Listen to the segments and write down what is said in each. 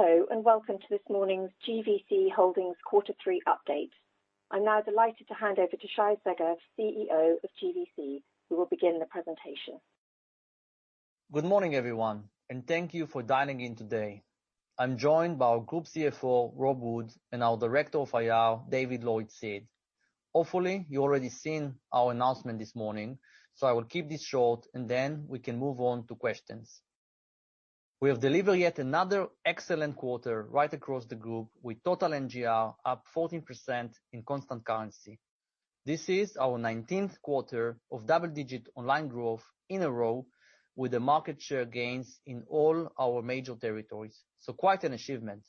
Hello, and welcome to this morning's GVC Holdings Quarter Three update. I'm now delighted to hand over to Shay Segev, CEO of GVC, who will begin the presentation. Good morning, everyone, and thank you for dialing in today. I'm joined by our Group CFO, Rob Wood, and our Director of IR, David Lloyd-Seed. Hopefully, you've already seen our announcement this morning, so I will keep this short, and then we can move on to questions. We have delivered yet another excellent quarter right across the group, with total NGR up 14% in constant currency. This is our 19th quarter of double-digit online growth in a row, with the market share gains in all our major territories. So, quite an achievement.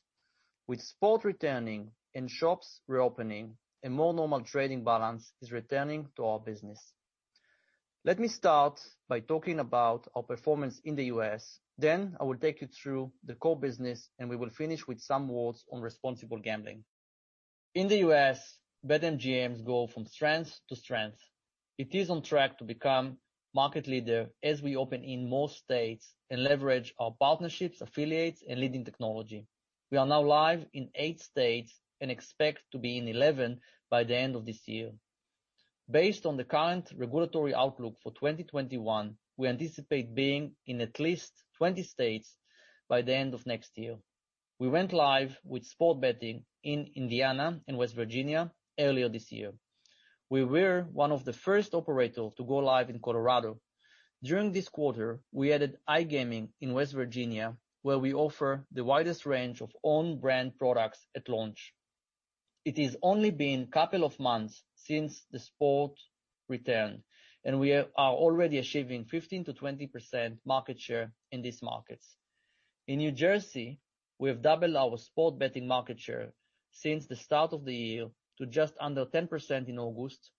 With sports returning and shops reopening, a more normal trading balance is returning to our business. Let me start by talking about our performance in the U.S. Then, I will take you through the core business, and we will finish with some words on responsible gambling. In the U.S., BetMGM's going from strength to strength. It is on track to become market leader as we open in more states and leverage our partnerships, affiliates, and leading technology. We are now live in eight states and expect to be in 11 by the end of this year. Based on the current regulatory outlook for 2021, we anticipate being in at least 20 states by the end of next year. We went live with sports betting in Indiana and West Virginia earlier this year. We were one of the first operators to go live in Colorado. During this quarter, we added iGaming in West Virginia, where we offer the widest range of on-brand products at launch. It has only been a couple of months since the sports returned, and we are already achieving 15% to 20% market share in these markets. In New Jersey, we have doubled our sports betting market share since the start of the year to just under 10% in August,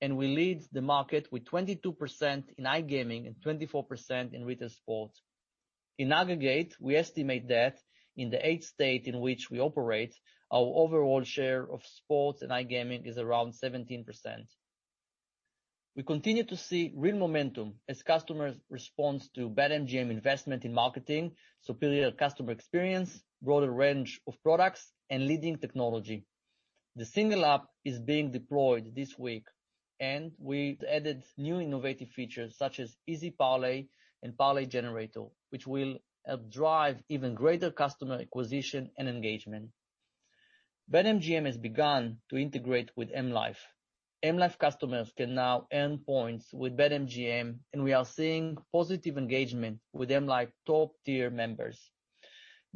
and we lead the market with 22% in iGaming and 24% in retail sports. In aggregate, we estimate that in the eight states in which we operate, our overall share of sports and iGaming is around 17%. We continue to see real momentum as customers respond to BetMGM's investment in marketing, superior customer experience, broader range of products, and leading technology. The single app is being deployed this week, and we added new innovative features such as Easy Parlay and Parlay Generator, which will drive even greater customer acquisition and engagement. BetMGM has begun to integrate with M life. M life customers can now earn points with BetMGM, and we are seeing positive engagement with M life top-tier members.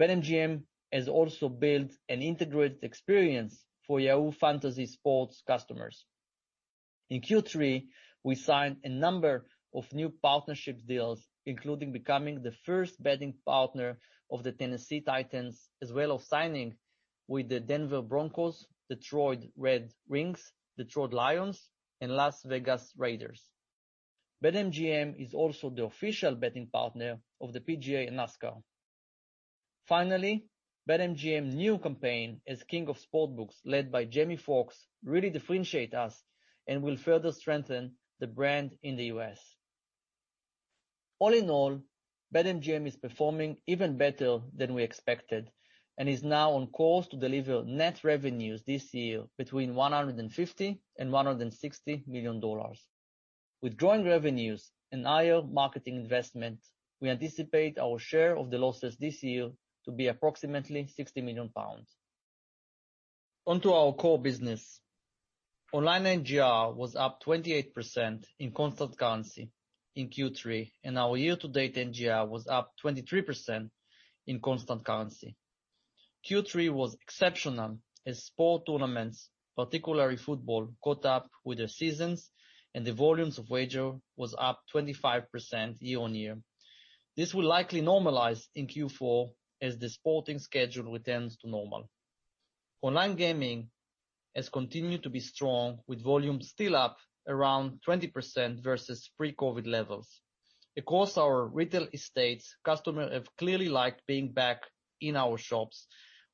BetMGM has also built an integrated experience for Yahoo Fantasy Sports customers. In Q3, we signed a number of new partnership deals, including becoming the first betting partner of the Tennessee Titans, as well as signing with the Denver Broncos, Detroit Red Wings, Detroit Lions, and Las Vegas Raiders. BetMGM is also the official betting partner of the PGA and NASCAR. Finally, BetMGM's new campaign as King of Sportsbooks, led by Jamie Foxx, really differentiates us and will further strengthen the brand in the U.S. All in all, BetMGM is performing even better than we expected and is now on course to deliver net revenues this year between $150 million and $160 million. With growing revenues and higher marketing investment, we anticipate our share of the losses this year to be approximately £60 million. Onto our core business. Online NGR was up 28% in constant currency in Q3, and our year-to-date NGR was up 23% in constant currency. Q3 was exceptional as sports tournaments, particularly football, caught up with the seasons, and the volumes of wager was up 25% year on year. This will likely normalize in Q4 as the sporting schedule returns to normal. Online gaming has continued to be strong, with volumes still up around 20% versus pre-COVID levels. Across our retail estates, customers have clearly liked being back in our shops.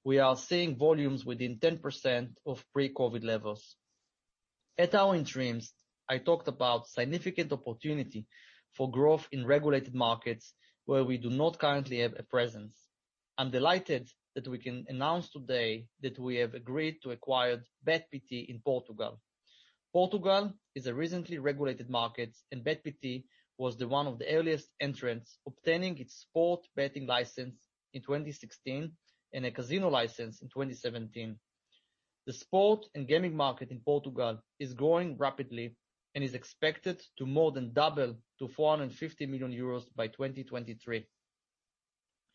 We are seeing volumes within 10% of pre-COVID levels. At our interims, I talked about significant opportunity for growth in regulated markets where we do not currently have a presence. I'm delighted that we can announce today that we have agreed to acquire Bet.pt in Portugal. Portugal is a recently regulated market, and Bet.pt was one of the earliest entrants, obtaining its sports betting license in 2016 and a casino license in 2017. The sports and gaming market in Portugal is growing rapidly and is expected to more than double to 450 million euros by 2023.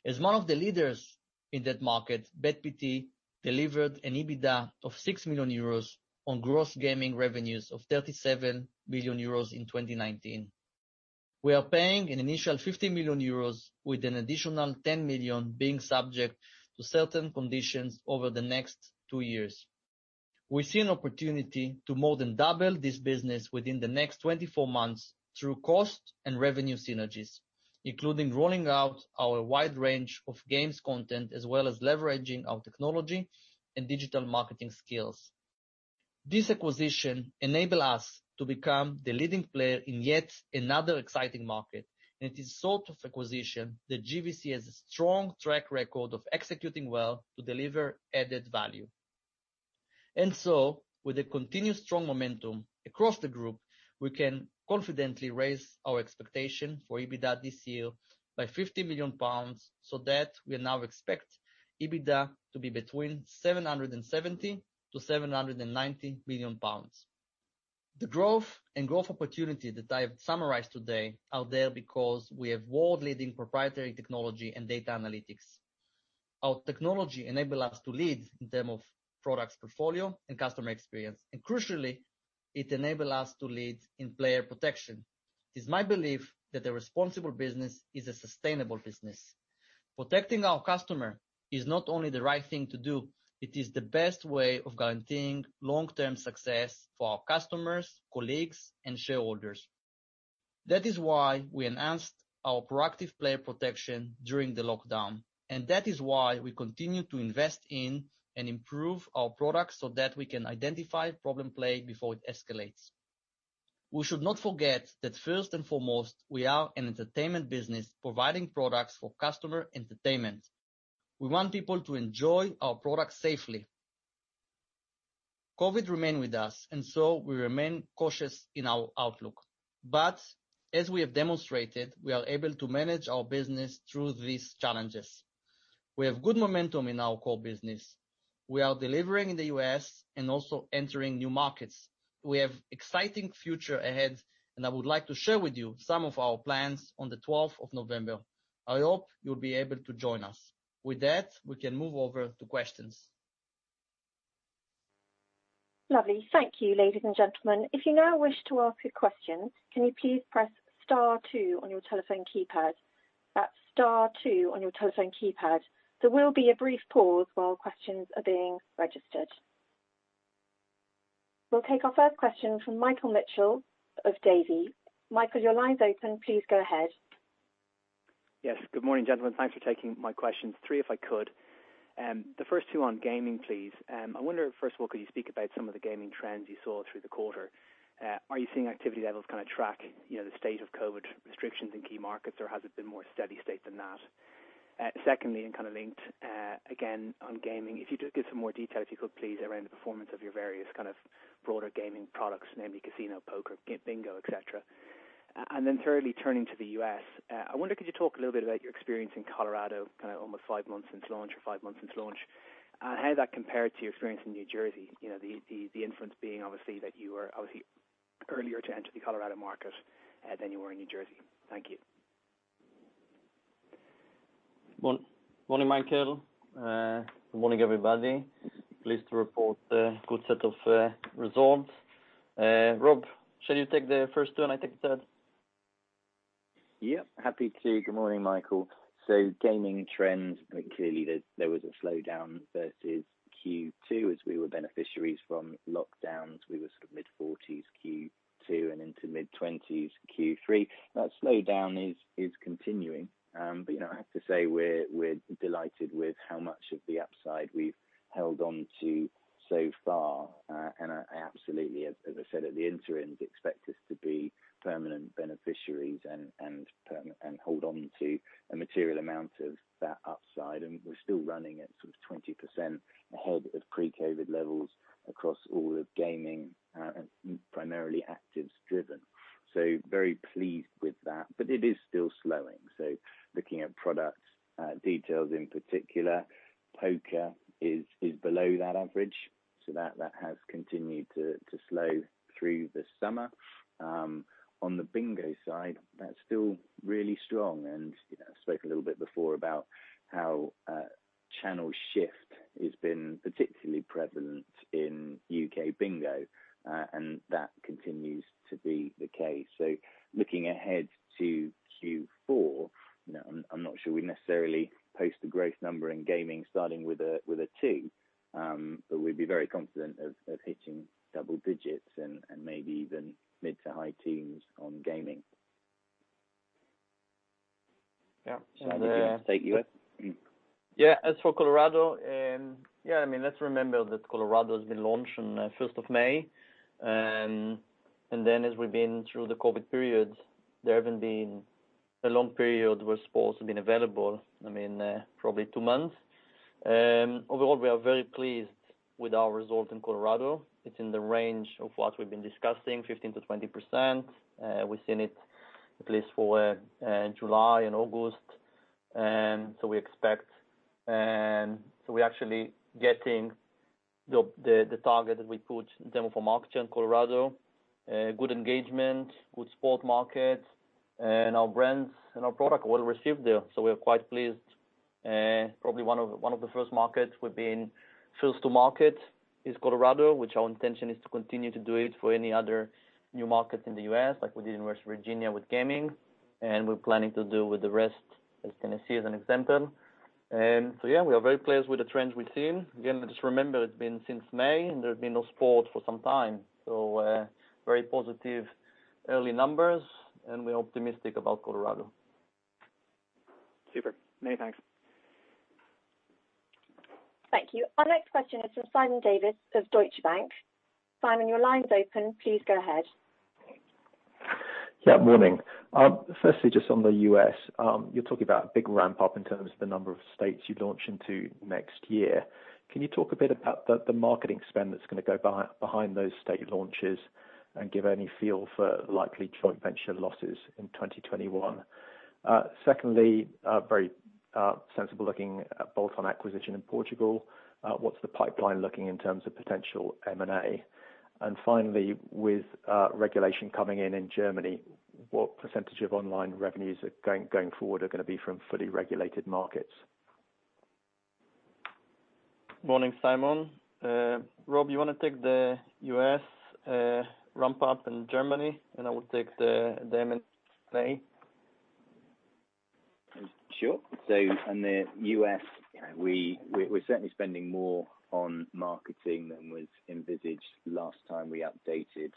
As one of the leaders in that market, Bet.pt delivered an EBITDA of 6 million euros on gross gaming revenues of 37 million euros in 2019. We are paying an initial 50 million euros with an additional 10 million being subject to certain conditions over the next two years. We see an opportunity to more than double this business within the next 24 months through cost and revenue synergies, including rolling out our wide range of games content as well as leveraging our technology and digital marketing skills. This acquisition enables us to become the leading player in yet another exciting market, and it is a sort of acquisition that GVC has a strong track record of executing well to deliver added value. So, with the continued strong momentum across the group, we can confidently raise our expectation for EBITDA this year by 50 million pounds, so that we now expect EBITDA to be between 770 million to 790 million pounds. The growth and growth opportunity that I have summarized today are there because we have world-leading proprietary technology and data analytics. Our technology enables us to lead in terms of products portfolio and customer experience, and crucially, it enables us to lead in player protection. It is my belief that a responsible business is a sustainable business. Protecting our customer is not only the right thing to do. It is the best way of guaranteeing long-term success for our customers, colleagues, and shareholders. That is why we announced our proactive player protection during the lockdown, and that is why we continue to invest in and improve our products so that we can identify problem play before it escalates. We should not forget that first and foremost, we are an entertainment business providing products for customer entertainment. We want people to enjoy our products safely. COVID remained with us, and so we remain cautious in our outlook. But as we have demonstrated, we are able to manage our business through these challenges. We have good momentum in our core business. We are delivering in the U.S. and also entering new markets. We have an exciting future ahead, and I would like to share with you some of our plans on the 12th of November. I hope you'll be able to join us. With that, we can move over to questions. Lovely. Thank you, ladies and gentlemen. If you now wish to ask a question, can you please press Star Two on your telephone keypad? That's Star 2 on your telephone keypad. There will be a brief pause while questions are being registered. We'll take our first question from Michael Mitchell of Davy. Michael, your line's open. Please go ahead. Yes. Good morning, gentlemen. Thanks for taking my questions. Three, if I could. The first two on gaming, please. I wonder, first of all, could you speak about some of the gaming trends you saw through the quarter? Are you seeing activity levels kind of track the state of COVID restrictions in key markets, or has it been more steady state than that? Secondly, and kind of linked again on gaming, if you could give some more detail, if you could, please, around the performance of your various kind of broader gaming products, namely casino, poker, bingo, etc. Thirdly, turning to the U.S., I wonder, could you talk a little bit about your experience in Colorado, almost five months since launch, and how that compared to your experience in New Jersey, the influence being obviously that you were earlier to enter the Colorado market than you were in New Jersey. Thank you. Morning, Michael. Good morning, everybody. Pleased to report a good set of results. Rob, shall you take the first two, and I take the third? Yep. Happy to. Good morning, Michael. So gaming trends, clearly, there was a slowdown versus Q2. As we were beneficiaries from lockdowns, we were sort of mid-40s Q2 and into mid-20s Q3. That slowdown is continuing, but I have to say we're delighted with how much of the upside we've held on to so far. And I absolutely, as I said at the interim, expect us to be permanent beneficiaries and hold on to a material amount of that upside. And we're still running at sort of 20% ahead of pre-COVID levels across all of gaming, primarily actives driven. So very pleased with that, but it is still slowing. So looking at product details in particular, poker is below that average, so that has continued to slow through the summer. On the bingo side, that's still really strong. I spoke a little bit before about how channel shift has been particularly prevalent in U.K. bingo, and that continues to be the case. Looking ahead to Q4, I'm not sure we necessarily post a growth number in gaming starting with a two, but we'd be very confident of hitting double digits and maybe even mid to high teens on gaming. Yeah. Yeah. As for Colorado, yeah, I mean, let's remember that Colorado has been launched on the 1st of May, and then, as we've been through the COVID period, there haven't been a long period where sports have been available, I mean, probably two months. Overall, we are very pleased with our result in Colorado. It's in the range of what we've been discussing, 15% to 20%. We've seen it at least for July and August, so we expect we're actually getting the target that we put in more markets in Colorado, good engagement, good sports markets, and our brands and our product will resonate there. So we are quite pleased. Probably one of the first markets we've been first to market is Colorado, which our intention is to continue to do it for any other new markets in the U.S., like we did in West Virginia with gaming, and we're planning to do with the rest as Tennessee as an example. So yeah, we are very pleased with the trends we've seen. Again, just remember, it's been since May, and there have been no sports for some time. So very positive early numbers, and we're optimistic about Colorado. Super. Many thanks. Thank you. Our next question is from Simon Davies of Deutsche Bank. Simon, your line's open. Please go ahead. Yeah. Morning. Firstly, just on the U.S., you're talking about a big ramp-up in terms of the number of states you launch into next year. Can you talk a bit about the marketing spend that's going to go behind those state launches and give any feel for likely joint venture losses in 2021? Secondly, very sensible looking at bolt-on acquisition in Portugal. What's the pipeline looking in terms of potential M&A? And finally, with regulation coming in in Germany, what percentage of online revenues going forward are going to be from fully regulated markets? Morning, Simon. Rob, you want to take the U.S. ramp-up in Germany, and I will take the M&A? Sure. So in the U.S., we're certainly spending more on marketing than was envisaged last time we updated,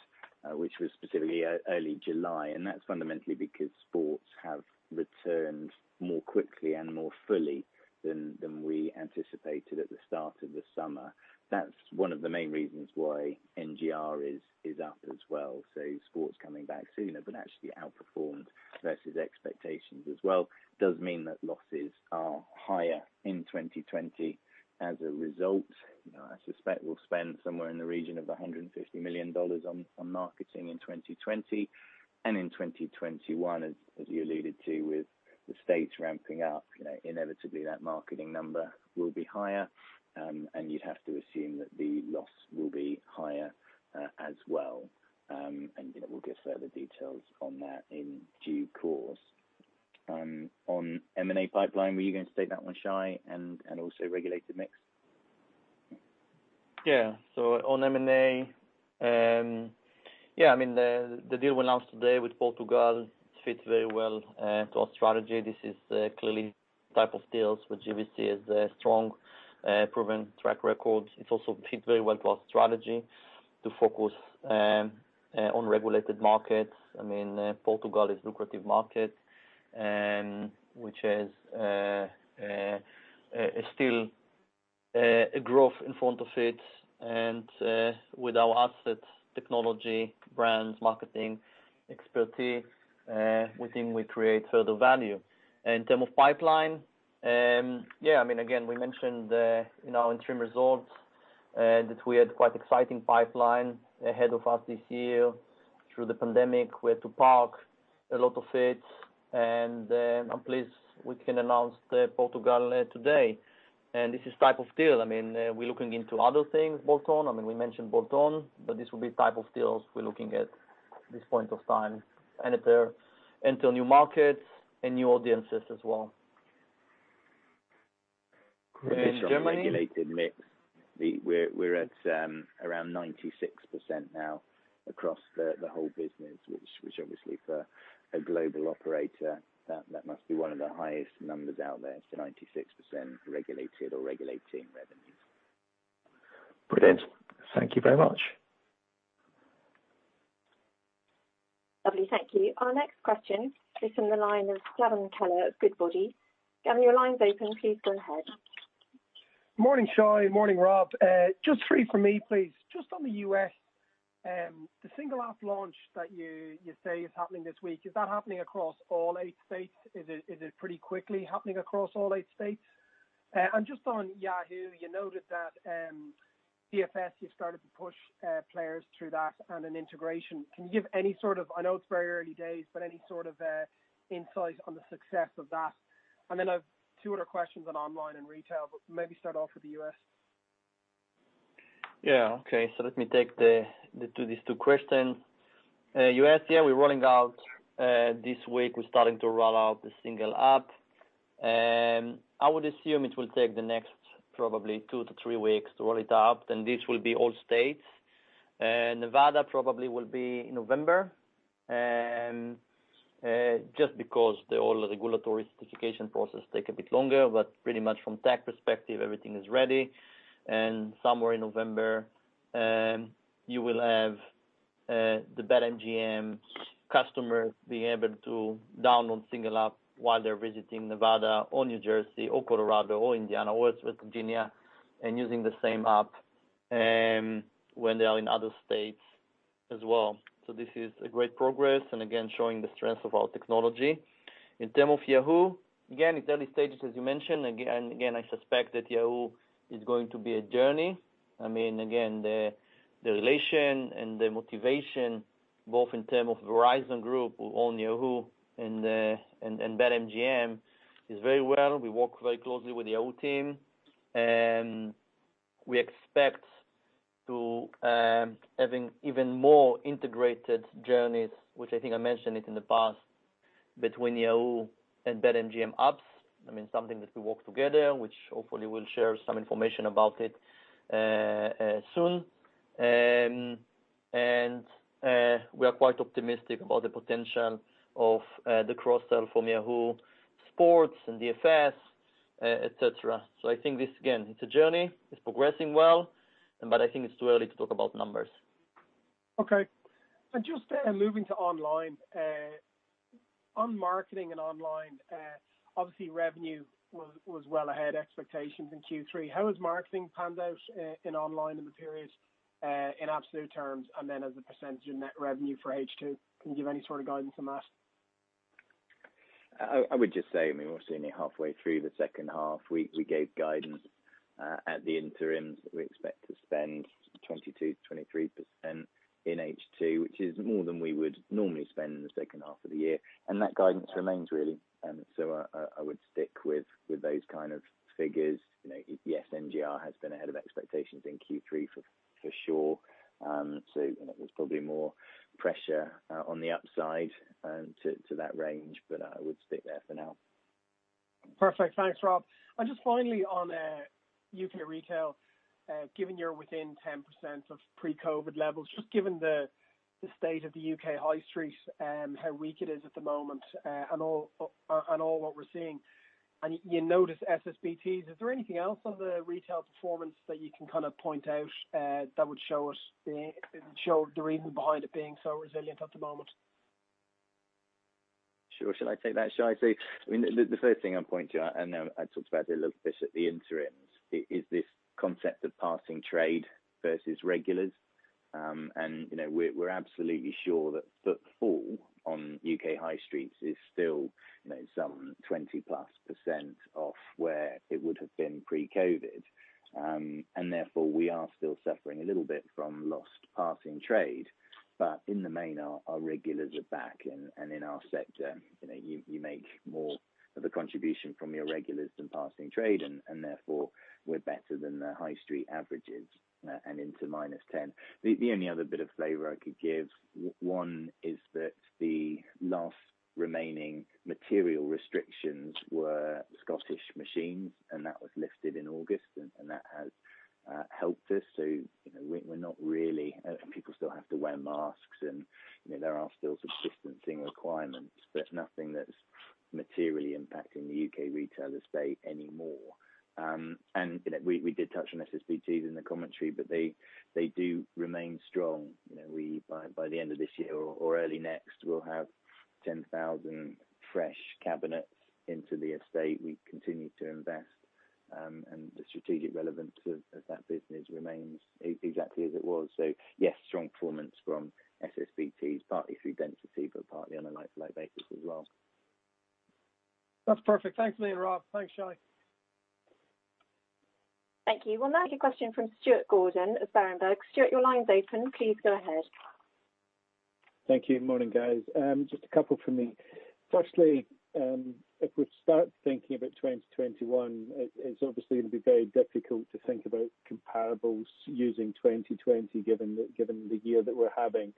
which was specifically early July. And that's fundamentally because sports have returned more quickly and more fully than we anticipated at the start of the summer. That's one of the main reasons why NGR is up as well. So sports coming back sooner, but actually outperformed versus expectations as well. Does mean that losses are higher in 2020. As a result, I suspect we'll spend somewhere in the region of $150 million on marketing in 2020 and in 2021, as you alluded to, with the states ramping up. Inevitably, that marketing number will be higher, and you'd have to assume that the loss will be higher as well. And we'll get further details on that in due course. On M&A pipeline, were you going to take that one, Shay, and also regulated mix? Yeah. So on M&A, yeah, I mean, the deal we announced today with Portugal fits very well to our strategy. This is clearly the type of deals where GVC has a strong, proven track record. It also fits very well to our strategy to focus on regulated markets. I mean, Portugal is a lucrative market, which has still a growth in front of it. And with our assets, technology, brands, marketing expertise, we think we create further value. In terms of pipeline, yeah, I mean, again, we mentioned in our interim results that we had quite an exciting pipeline ahead of us this year. Through the pandemic, we had to park a lot of it, and I'm pleased we can announce Portugal today. And this is the type of deal. I mean, we're looking into other things, bolt-on. I mean, we mentioned bolt-on, but this will be the type of deals we're looking at this point of time and enter new markets and new audiences as well. In Germany. The regulated mix, we're at around 96% now across the whole business, which obviously, for a global operator, that must be one of the highest numbers out there. It's 96% regulated or regulating revenues. Brilliant. Thank you very much. Lovely. Thank you. Our next question is from the line of Gavin Kelleher of Goodbody. Gavin, your line's open. Please go ahead. Morning, Shay. Morning, Rob. Just three from me, please. Just on the U.S., the single app launch that you say is happening this week, is that happening across all eight states? Is it pretty quickly happening across all eight states? And just on Yahoo, you noted that DFS, you've started to push players through that and an integration. Can you give any sort of - I know it's very early days - but any sort of insight on the success of that? And then I have two other questions on online and retail, but maybe start off with the U.S. Yeah. Okay, so let me take these two questions. U.S., yeah, we're rolling out this week. We're starting to roll out the single app. I would assume it will take the next probably two to three weeks to roll it out. Then this will be all states. Nevada probably will be in November just because the whole regulatory certification process takes a bit longer, but pretty much from tech perspective, everything is ready. And somewhere in November, you will have the BetMGM customers being able to download single app while they're visiting Nevada or New Jersey or Colorado or Indiana or West Virginia and using the same app when they are in other states as well. So this is great progress and, again, showing the strength of our technology. In terms of Yahoo, again, it's early stages, as you mentioned. Again, I suspect that Yahoo is going to be a journey. I mean, again, the relation and the motivation, both in terms of Verizon Media who own Yahoo and BetMGM, is very well. We work very closely with the Yahoo team. We expect to have even more integrated journeys, which I think I mentioned it in the past, between Yahoo and BetMGM apps. I mean, something that we work together, which hopefully we'll share some information about it soon. We are quite optimistic about the potential of the cross-sell from Yahoo Sports and DFS, etc. I think this, again, it's a journey. It's progressing well, but I think it's too early to talk about numbers. Okay. And just moving to online, on marketing and online, obviously, revenue was well ahead of expectations in Q3. How has marketing panned out in online in the period in absolute terms and then as a percentage of net revenue for H2? Can you give any sort of guidance on that? I would just say, I mean, we're seeing it halfway through the second half. We gave guidance at the interim that we expect to spend 22% to 23% in H2, which is more than we would normally spend in the second half of the year, and that guidance remains, really, so I would stick with those kind of figures. Yes, NGR has been ahead of expectations in Q3 for sure, so there's probably more pressure on the upside to that range, but I would stick there for now. Perfect. Thanks, Rob. And just finally, on U.K. retail, given you're within 10% of pre-COVID levels, just given the state of the U.K. high streets, how weak it is at the moment, and all what we're seeing, and you notice SSBTs, is there anything else on the retail performance that you can kind of point out that would show the reason behind it being so resilient at the moment? Sure. Shall I take that, Shay? So, I mean, the first thing I'll point to, and I talked about it a little bit at the interim, is this concept of passing trade versus regulars. We're absolutely sure that footfall on U.K. high streets is still some 20+% off where it would have been pre-COVID. Therefore, we are still suffering a little bit from lost passing trade. But in the main, our regulars are back. In our sector, you make more of a contribution from your regulars than passing trade, and therefore, we're better than the high street averages and into minus 10%. The only other bit of flavor I could give, one, is that the last remaining material restrictions were Scottish machines, and that was lifted in August, and that has helped us. So we're not really, people still have to wear masks, and there are still some distancing requirements, but nothing that's materially impacting the U.K. retail estate anymore. And we did touch on SSBTs in the commentary, but they do remain strong. By the end of this year or early next, we'll have 10,000 fresh cabinets into the estate. We continue to invest, and the strategic relevance of that business remains exactly as it was. So yes, strong performance from SSBTs, partly through density, but partly on a like-for-like basis as well. That's perfect. Thanks for being here, Rob. Thanks, Shay. Thank you. We'll now get a question from Stuart Gordon of Berenberg. Stuart, your line's open. Please go ahead. Thank you. Morning, guys. Just a couple for me. Firstly, if we start thinking about 2021, it's obviously going to be very difficult to think about comparables using 2020, given the year that we're having.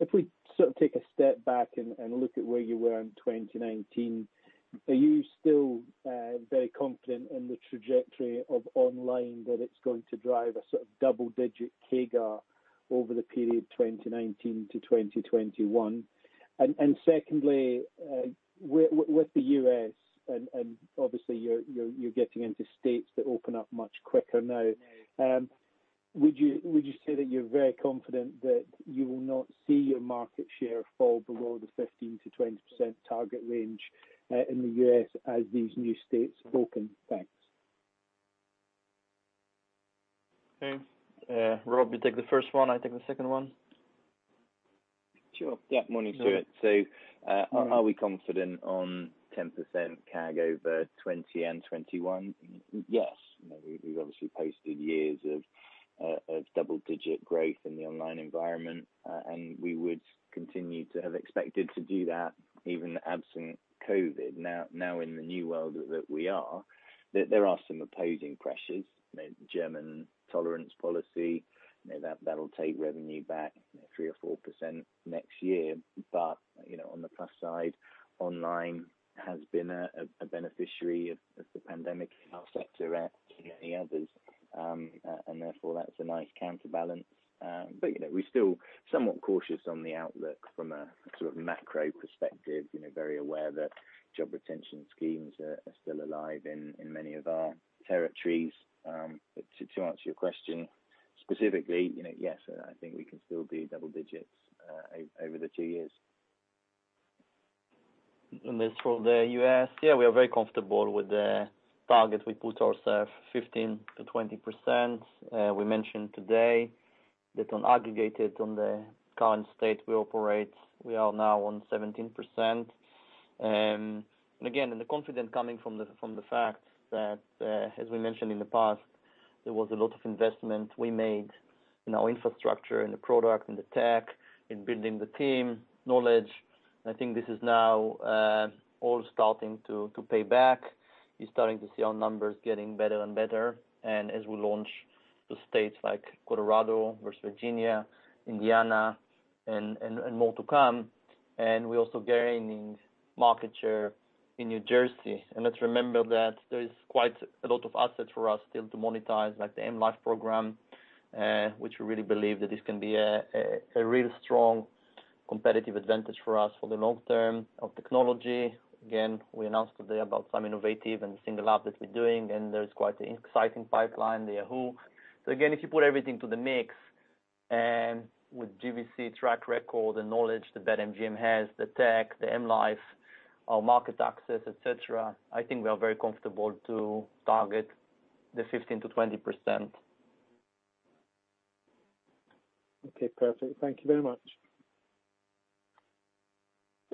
If we sort of take a step back and look at where you were in 2019, are you still very confident in the trajectory of online that it's going to drive a sort of double-digit CAGR over the period 2019 to 2021? And secondly, with the U.S., and obviously, you're getting into states that open up much quicker now, would you say that you're very confident that you will not see your market share fall below the 15%-20% target range in the U.S., as these new states open? Thanks. Okay. Rob, you take the first one. I take the second one. Sure. Yeah. Morning, Stuart. So are we confident on 10% CGAR for 2020 and 2021? Yes. We've obviously posted years of double-digit growth in the online environment, and we would continue to have expected to do that even absent COVID. Now, in the new world that we are, there are some opposing pressures: German tolerance policy. That'll take revenue back 3 or 4% next year. But on the plus side, online has been a beneficiary of the pandemic in our sector, as many others. And therefore, that's a nice counterbalance. But we're still somewhat cautious on the outlook from a sort of macro perspective, very aware that job retention schemes are still alive in many of our territories. But to answer your question specifically, yes, I think we can still do double digits over the two years. And this from the U.S. Yeah, we are very comfortable with the target we put ourselves: 15% to 20%. We mentioned today that on aggregate, on the current states we operate, we are now on 17%. And again, the confidence coming from the fact that, as we mentioned in the past, there was a lot of investment we made in our infrastructure, in the product, in the tech, in building the team, knowledge. I think this is now all starting to pay back. You're starting to see our numbers getting better and better. And as we launch to states like Colorado, West Virginia, Indiana, and more to come, and we're also gaining market share in New Jersey. Let's remember that there is quite a lot of assets for us still to monetize, like the mLife program, which we really believe that this can be a real strong competitive advantage for us for the long term of technology. Again, we announced today about some innovative and single app that we're doing, and there is quite an exciting pipeline, the Yahoo. So again, if you put everything to the mix with GVC track record and knowledge that BetMGM has, the tech, the mLife, our market access, etc., I think we are very comfortable to target the 15% to 20%. Okay. Perfect. Thank you very much.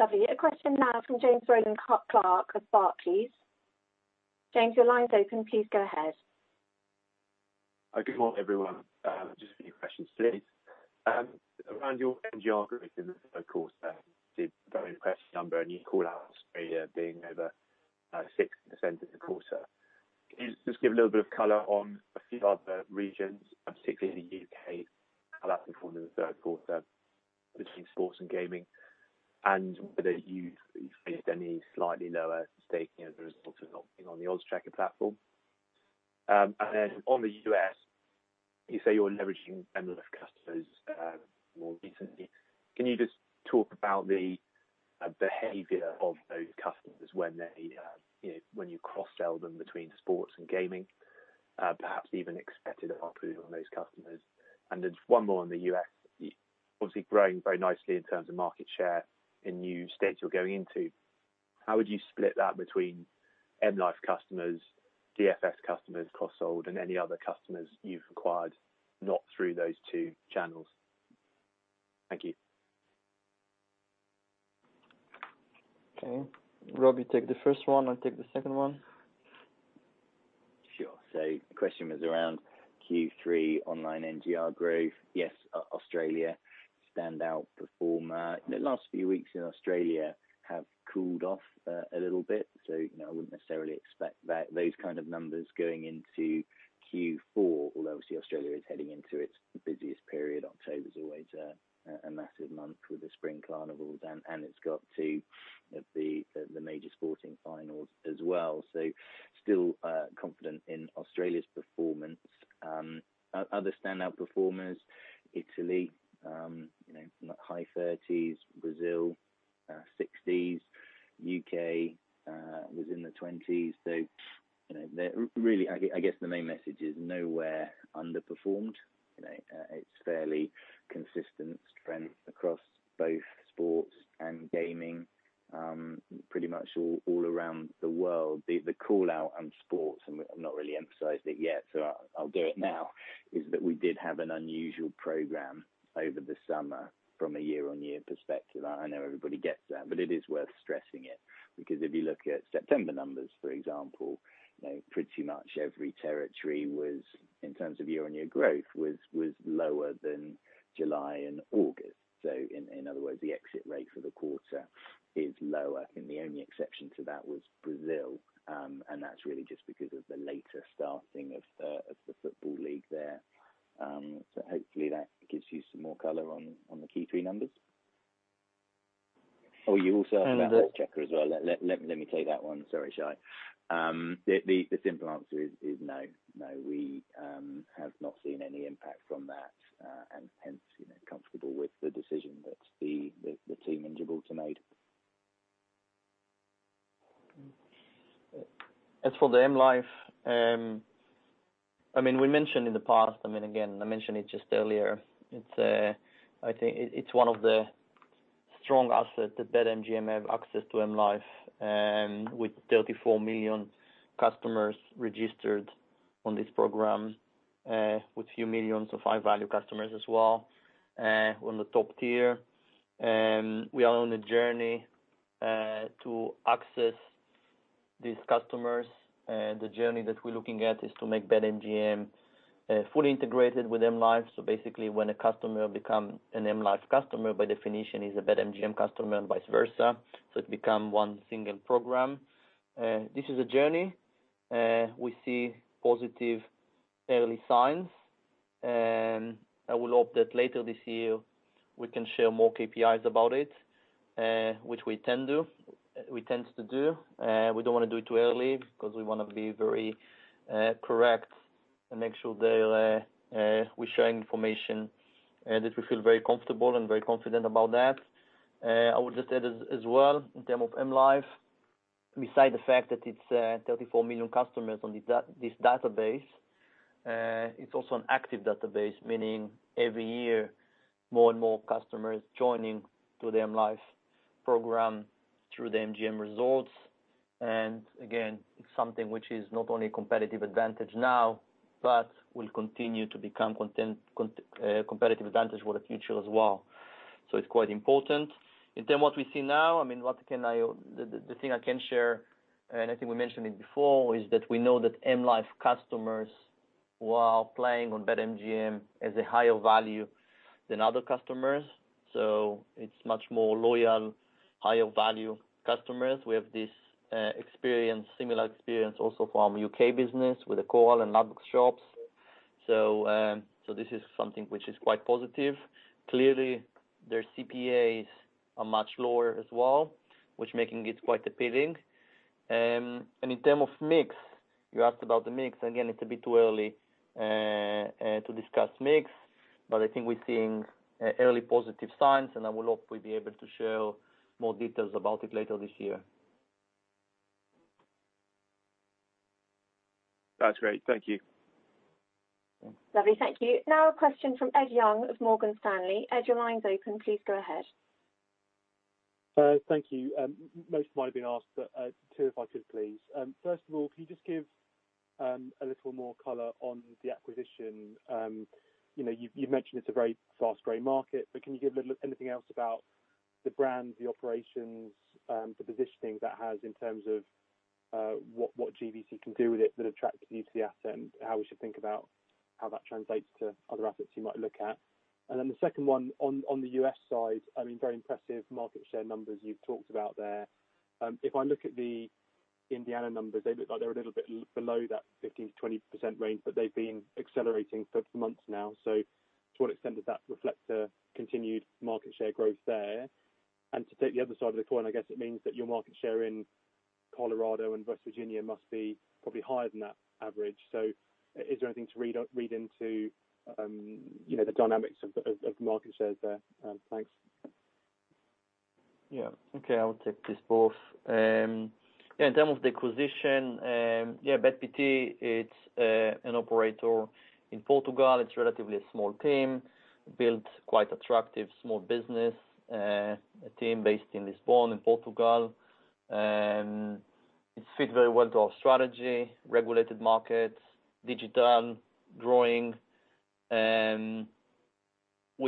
Lovely. A question now from James Rowland-Clark of Barclays. James, your line's open. Please go ahead. Good morning, everyone. Just a few questions, please. Around your NGR growth in the third quarter, did very impressive number in your callouts for you being over 6% in the quarter. Just give a little bit of color on a few other regions, particularly in the U.K., how that performed in the third quarter between sports and gaming, and whether you've faced any slightly lower staking as a result of not being on the Oddschecker platform. And then on the U.S., you say you're leveraging mLife customers more recently. Can you just talk about the behavior of those customers when you cross-sell them between sports and gaming, perhaps even expected output on those customers? And then one more on the U.S., obviously growing very nicely in terms of market share in new states you're going into. How would you split that between mLife customers, DFS customers, cross-sold, and any other customers you've acquired not through those two channels? Thank you. Okay. Rob, you take the first one. I'll take the second one. Sure. So the question was around Q3 online NGR growth. Yes, Australia stand out performer. The last few weeks in Australia have cooled off a little bit. So I wouldn't necessarily expect those kind of numbers going into Q4, although obviously Australia is heading into its busiest period. October's always a massive month with the spring carnivals, and it's got to the major sporting finals as well. So still confident in Australia's performance. Other standout performers, Italy, high 30s%; Brazil, 60s%; UK was in the 20s%. So really, I guess the main message is nowhere underperformed. It's fairly consistent trend across both sports and gaming, pretty much all around the world. The callout on sports, and I've not really emphasized it yet, so I'll do it now, is that we did have an unusual program over the summer from a year-on-year perspective. I know everybody gets that, but it is worth stressing it because if you look at September numbers, for example, pretty much every territory was, in terms of year-on-year growth, was lower than July and August. So in other words, the exit rate for the quarter is lower. And the only exception to that was Brazil, and that's really just because of the later starting of the football league there. So hopefully, that gives you some more color on the Q3 numbers. Oh, you also asked about the Oddschecker as well. Let me take that one. Sorry, Shay. The simple answer is no. No, we have not seen any impact from that, and hence comfortable with the decision that the team in Gibraltar made. As for the M life, I mean, we mentioned in the past, I mean, again, I mentioned it just earlier. I think it's one of the strong assets that BetMGM have access to M life, with 34 million customers registered on this program, with a few millions of high-value customers as well on the top tier. We are on a journey to access these customers. The journey that we're looking at is to make BetMGM fully integrated with M life. So basically, when a customer becomes an M life customer, by definition, is a BetMGM customer and vice versa. So it becomes one single program. This is a journey. We see positive early signs. I will hope that later this year, we can share more KPIs about it, which we tend to do. We don't want to do it too early because we want to be very correct and make sure we're sharing information that we feel very comfortable and very confident about that. I would just add as well, in terms of mLife, beside the fact that it's 34 million customers on this database, it's also an active database, meaning every year, more and more customers joining to the mLife program through the MGM Resorts. And again, it's something which is not only a competitive advantage now, but will continue to become a competitive advantage for the future as well. So it's quite important. In terms of what we see now, I mean, the thing I can share, and I think we mentioned it before, is that we know that mLife customers who are playing on BetMGM as a higher value than other customers. So it's much more loyal, higher value customers. We have this similar experience also from U.K. business with the Coral and Ladbrokes shops, so this is something which is quite positive. Clearly, their CPAs are much lower as well, which makes it quite appealing, and in terms of mix, you asked about the mix. Again, it's a bit too early to discuss mix, but I think we're seeing early positive signs, and I will hope we'll be able to share more details about it later this year. That's great. Thank you. Lovely. Thank you. Now, a question from Ed Young of Morgan Stanley. Ed, your line's open. Please go ahead. Thank you. Most might have been asked, but two if I could, please. First of all, can you just give a little more color on the acquisition? You've mentioned it's a very fast-growing market, but can you give a little anything else about the brand, the operations, the positioning that has in terms of what GVC can do with it that attracted you to the asset, how we should think about how that translates to other assets you might look at? Then the second one on the US side, I mean, very impressive market share numbers you've talked about there. If I look at the Indiana numbers, they look like they're a little bit below that 15% to 20% range, but they've been accelerating for months now. So to what extent does that reflect a continued market share growth there? And to take the other side of the coin, I guess it means that your market share in Colorado and West Virginia must be probably higher than that average. So is there anything to read into the dynamics of the market shares there? Thanks. Yeah. Okay. I will take this both. Yeah. In terms of the acquisition, yeah, Bet.pt, it's an operator in Portugal. It's relatively a small team, built quite attractive small business, a team based in Lisbon in Portugal. It's fit very well to our strategy, regulated markets, digital growing. We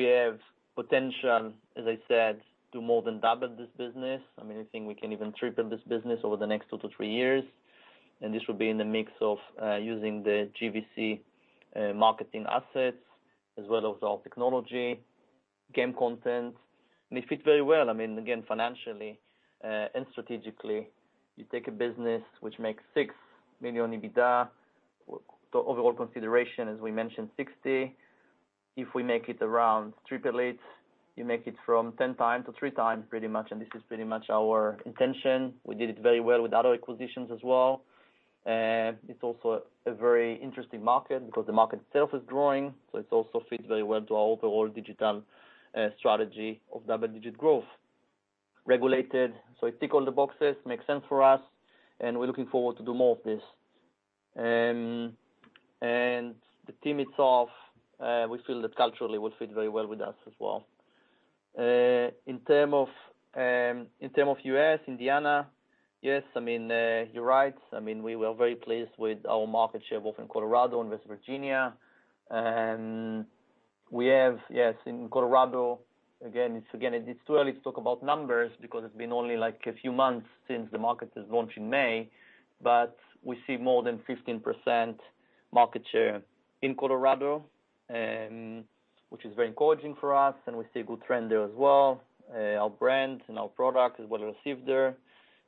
have potential, as I said, to more than double this business. I mean, I think we can even triple this business over the next two to three years. And this would be in the mix of using the GVC marketing assets as well as our technology, game content. And it fits very well. I mean, again, financially and strategically, you take a business which makes six million EUR EBITDA. Overall consideration, as we mentioned, 60. If we make it around triple it, you make it from 10 times to three times pretty much. And this is pretty much our intention. We did it very well with other acquisitions as well. It's also a very interesting market because the market itself is growing. So it also fits very well to our overall digital strategy of double-digit growth. Regulated. So it ticked all the boxes, makes sense for us, and we're looking forward to do more of this. And the team itself, we feel that culturally will fit very well with us as well. In terms of U.S., Indiana, yes, I mean, you're right. I mean, we were very pleased with our market share both in Colorado and West Virginia. We have, yes, in Colorado, again, it's too early to talk about numbers because it's been only like a few months since the market has launched in May, but we see more than 15% market share in Colorado, which is very encouraging for us. We see a good trend there as well. Our brand and our product is well received there.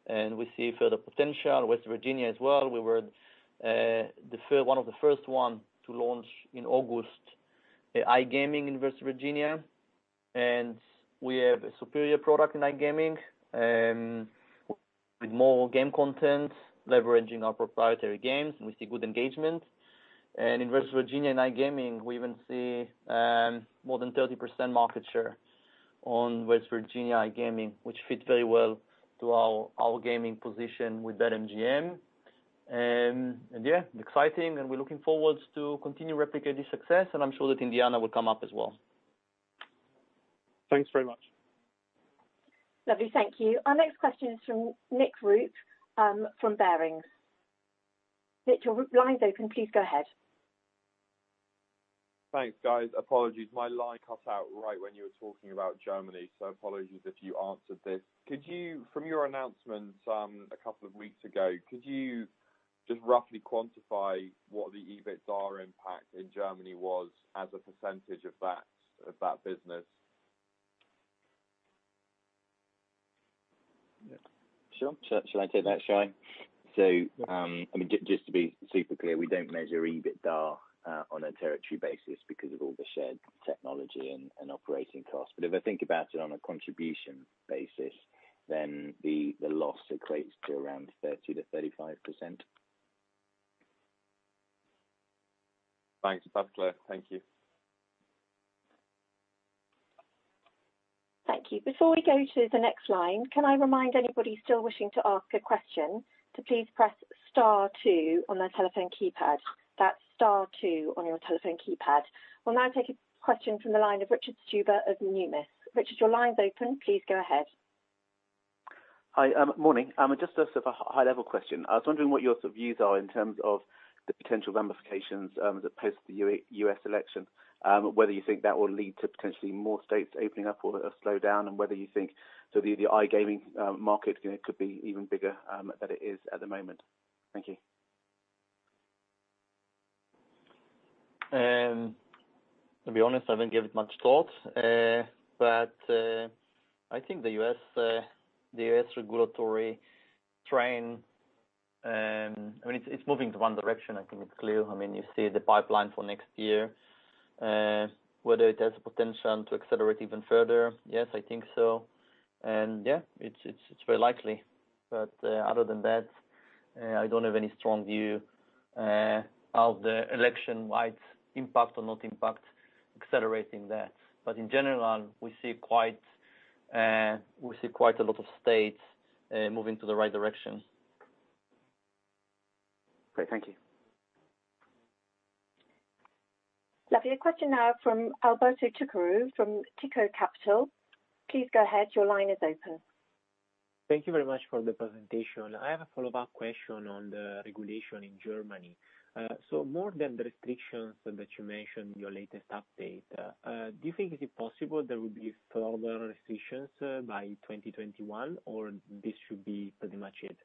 We see further potential. West Virginia as well. We were one of the first ones to launch in August iGaming in West Virginia. We have a superior product in iGaming with more game content, leveraging our proprietary games. We see good engagement. In West Virginia and iGaming, we even see more than 30% market share on West Virginia iGaming, which fits very well to our gaming position with BetMGM. Yeah, exciting. We're looking forward to continue replicating this success, and I'm sure that Indiana will come up as well. Thanks very much. Lovely. Thank you. Our next question is from Nick Root from Barings. Nick, your line's open. Please go ahead. Thanks, guys. Apologies. My line cut out right when you were talking about Germany, so apologies if you answered this. From your announcements a couple of weeks ago, could you just roughly quantify what the EBITDA impact in Germany was as a percentage of that business? Sure. Shall I take that, Shay? So I mean, just to be super clear, we don't measure EBITDA on a territory basis because of all the shared technology and operating costs. But if I think about it on a contribution basis, then the loss equates to around 30% to 35%. Thanks, Bhaskar. Thank you. Thank you. Before we go to the next line, can I remind anybody still wishing to ask a question to please press star two on their telephone keypad? That's star two on your telephone keypad. We'll now take a question from the line of Richard Stuber of Numis. Richard, your line's open. Please go ahead. Hi. Morning. Just a sort of high-level question. I was wondering what your views are in terms of the potential ramifications as opposed to the U.S. election, whether you think that will lead to potentially more states opening up or a slowdown, and whether you think the iGaming market could be even bigger than it is at the moment. Thank you. To be honest, I don't give it much thought, but I think the U.S. regulatory train, I mean, it's moving in one direction. I think it's clear. I mean, you see the pipeline for next year, whether it has the potential to accelerate even further. Yes, I think so, and yeah, it's very likely, but other than that, I don't have any strong view of the election-wide impact or not impact accelerating that, but in general, we see quite a lot of states moving to the right direction. Great. Thank you. Lovely. A question now from Alberto Tykocinski from Tico Capital. Please go ahead. Your line is open. Thank you very much for the presentation. I have a follow-up question on the regulation in Germany. So more than the restrictions that you mentioned in your latest update, do you think it's possible there will be further restrictions by 2021, or this should be pretty much it?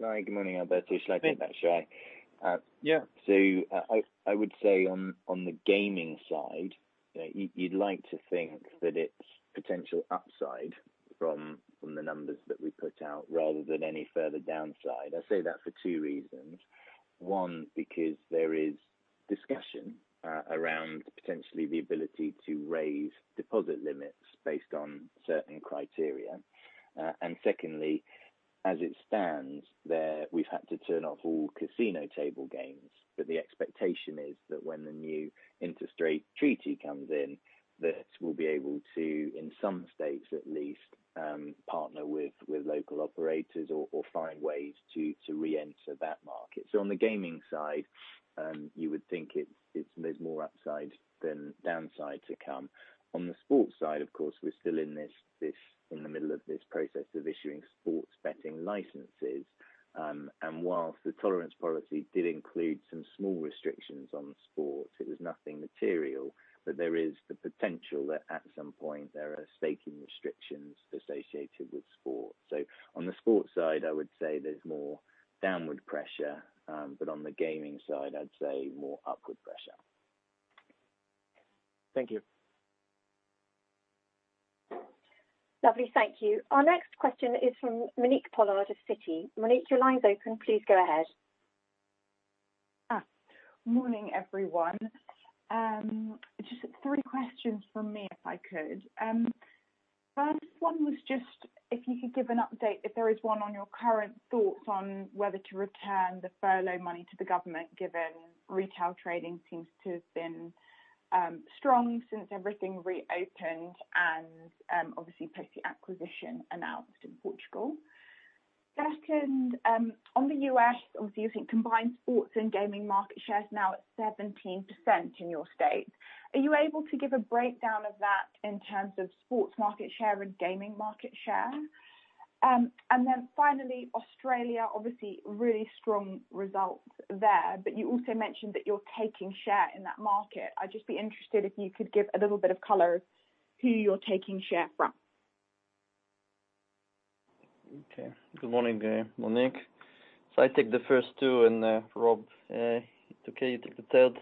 Hi. Good morning, Alberto. Shay, in fact, Shay, so I would say on the gaming side, you'd like to think that it's potential upside from the numbers that we put out rather than any further downside. I say that for two reasons. One, because there is discussion around potentially the ability to raise deposit limits based on certain criteria, and secondly, as it stands, we've had to turn off all casino table games, but the expectation is that when the new Interstate Treaty comes in, that we'll be able to, in some states at least, partner with local operators or find ways to re-enter that market, so on the gaming side, you would think there's more upside than downside to come. On the sports side, of course, we're still in the middle of this process of issuing sports betting licenses. And while the tolerance policy did include some small restrictions on sports, it was nothing material. But there is the potential that at some point, there are staking restrictions associated with sports. So on the sports side, I would say there's more downward pressure. But on the gaming side, I'd say more upward pressure. Thank you. Lovely. Thank you. Our next question is from Monique Pollard of Citi. Monique, your line's open. Please go ahead. Morning, everyone. Just three questions for me if I could. First one was just if you could give an update, if there is one, on your current thoughts on whether to return the furlough money to the government, given retail trading seems to have been strong since everything reopened and obviously post the acquisition announced in Portugal. Second, on the U.S., obviously, you think combined sports and gaming market share is now at 17% in your state. Are you able to give a breakdown of that in terms of sports market share and gaming market share? And then finally, Australia, obviously, really strong results there. But you also mentioned that you're taking share in that market. I'd just be interested if you could give a little bit of color of who you're taking share from. Okay. Good morning, Monique. So I take the first two, and Rob, it's okay you take the third.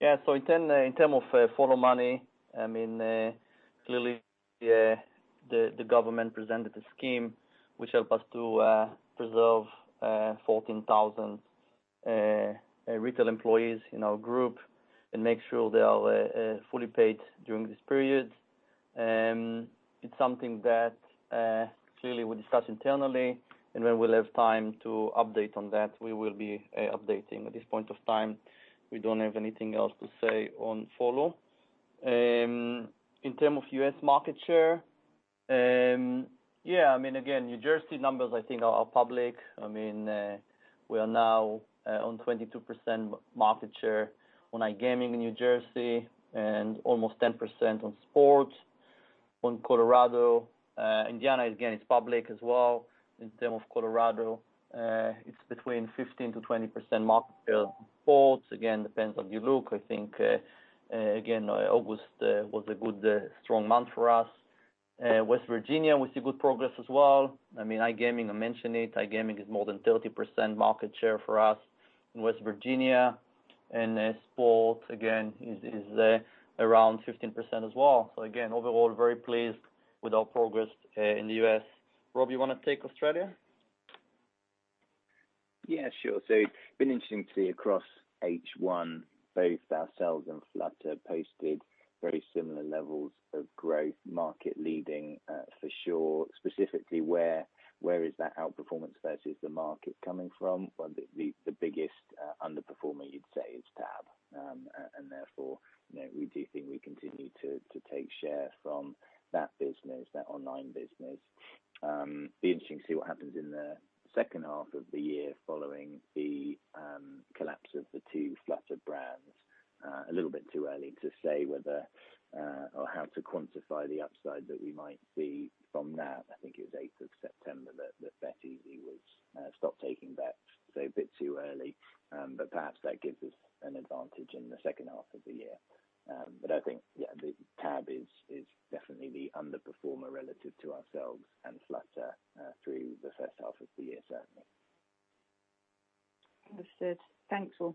Yeah. So in terms of furlough money, I mean, clearly, the government presented a scheme which helped us to preserve 14,000 retail employees in our group and make sure they are fully paid during this period. It's something that clearly we discuss internally, and when we have time to update on that, we will be updating. At this point of time, we don't have anything else to say on furlough. In terms of U.S. market share, yeah, I mean, again, New Jersey numbers, I think, are public. I mean, we are now on 22% market share on iGaming in New Jersey and almost 10% on sports. On Colorado, Indiana, again, it's public as well. In terms of Colorado, it's between 15%-20% market share on sports. Again, it depends on your look. I think, again, August was a good, strong month for us. West Virginia, we see good progress as well. I mean, iGaming, I mentioned it. iGaming is more than 30% market share for us in West Virginia. And sports, again, is around 15% as well. So again, overall, very pleased with our progress in the U.S. Rob, you want to take Australia? Yeah, sure. So it's been interesting to see across H1, both ourselves and Flutter posted very similar levels of growth, market-leading for sure. Specifically, where is that outperformance versus the market coming from? Well, the biggest underperformer, you'd say, is TAB. And therefore, we do think we continue to take share from that business, that online business. It'd be interesting to see what happens in the second half of the year following the collapse of the two Flutter brands. A little bit too early to say whether or how to quantify the upside that we might see from that. I think it was 8th of September that BetEasy stopped taking bets. So a bit too early. But perhaps that gives us an advantage in the second half of the year. But I think, yeah, TAB is definitely the underperformer relative to ourselves and Flutter through the first half of the year, certainly. Understood. Thanks, all.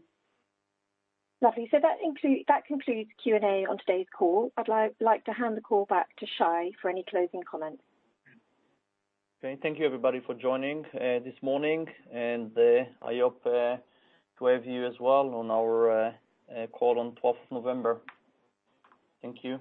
Lovely. So that concludes Q&A on today's call. I'd like to hand the call back to Shay for any closing comments. Okay. Thank you, everybody, for joining this morning, and I hope to have you as well on our call on 12th of November. Thank you.